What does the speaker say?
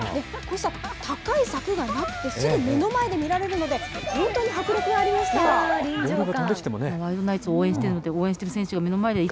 高い柵がなくてすぐ目の前で見られるので、本当に迫力がありまし臨場感。